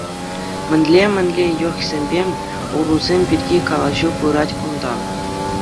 Мӗнле-мӗнле йӑхсемпе ӑрусем пирки калаҫу пырать кун-та?